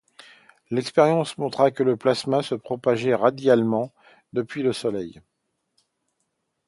L'expérience montra que le plasma se propageait radialement depuis le Soleil.